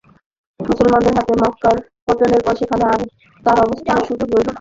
মুসলমানদের হাতে মক্কার পতনের পর সেখানে আর তার অবস্থানের সুযোগ রইল না।